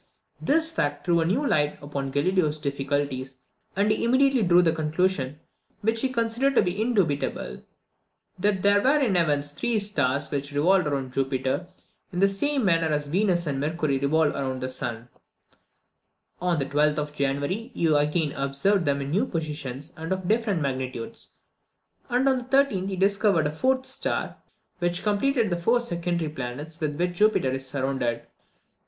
This fact threw a new light upon Galileo's difficulties, and he immediately drew the conclusion, which he considered to be indubitable, "_that there were in the heavens three stars which revolved round Jupiter, in the same manner as Venus and Mercury revolve round the sun_." On the 12th of January, he again observed them in new positions, and of different magnitudes; and, on the 13th, he discovered a fourth star, which completed the four secondary planets with which Jupiter is surrounded.